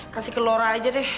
kasih ke lora aja deh